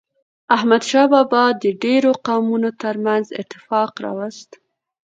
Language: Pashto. احمد شاه بابا د ډیرو قومونو ترمنځ اتفاق راوست.